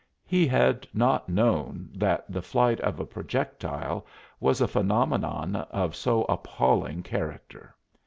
He had not known that the flight of a projectile was a phenomenon of so appalling character.